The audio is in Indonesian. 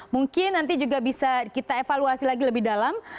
mungkin nanti juga bisa kita evaluasi lagi lebih dalam